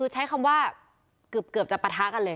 แทรกคำว่าเกิบจะปะท๊ะกันเลย